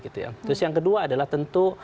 terus yang kedua adalah tentu